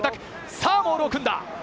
さぁモールを組んだ！